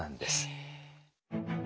へえ。